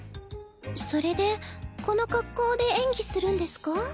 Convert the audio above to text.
それでこの格好で演技するんですか？